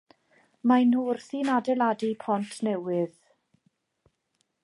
Maen nhw wrthi'n adeiladu pont newydd.